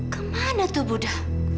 kemana tuh buddha